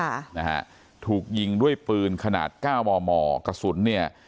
ค่ะนะฮะถูกยิงด้วยปืนขนาดเก้ามอมอกระสุนเนี่ย